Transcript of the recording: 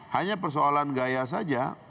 hanya persoalan gaya saja